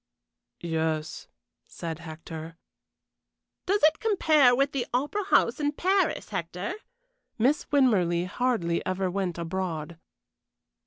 "Yes," said Hector. "Does it compare with the Opera House in Paris, Hector?" Miss Winmarleigh hardly ever went abroad.